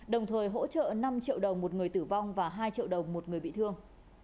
đồng thời hỗ trợ năm triệu đồng một người tử vong và hai triệu đồng một người bị thương